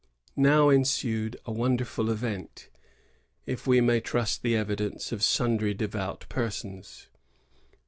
Now ensued a wonderful event, if we may trust the evidence of sundry devout persons.